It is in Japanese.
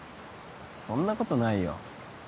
そんなことないよ